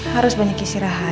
harus banyak istirahat